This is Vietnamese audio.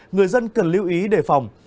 người dân cần lưu ý đề phòng